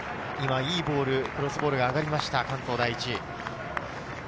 いいボール、クロスボールが上がりました関東第一。